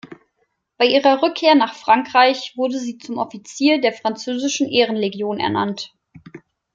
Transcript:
Bei ihrer Rückkehr nach Frankreich wurde sie zum Offizier der französischen Ehrenlegion ernannt.